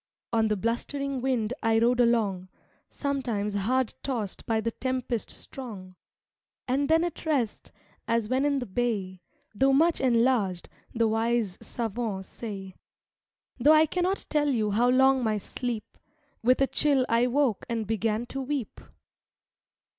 "On the blustering wind, I rode along, Sometimes hard tossed by the tempest strong, And then at rest, as when in the bay, Though much enlarged, the wise savants say; Though I cannot tell you how long my sleep, With a chill I woke and began to weep.